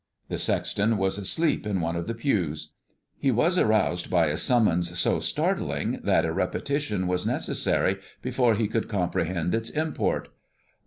The sexton was asleep in one of the pews. He was roused by a summons so startling that a repetition was necessary before he could comprehend its import.